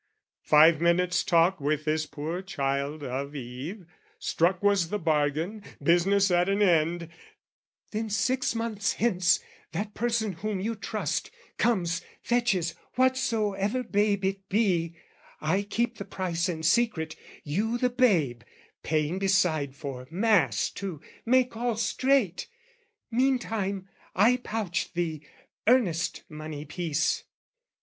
Five minutes' talk with this poor child of Eve, Struck was the bargain, business at an end "Then, six months hence, that person whom you trust, "Comes, fetches whatsoever babe it be; "I keep the price and secret, you the babe, "Paying beside for mass to make all straight: "Meantime, I pouch the earnest money piece."